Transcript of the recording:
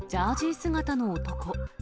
姿の男。